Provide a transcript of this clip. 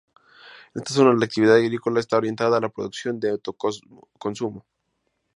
En esta zona la actividad agrícola está orientada a la producción de autoconsumo.